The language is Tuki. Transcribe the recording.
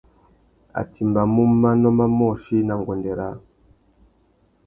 A timbamú manô mà môchï mà nguêndê râā.